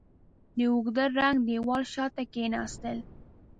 د اوږده ړنګ دېوال شاته کېناستل.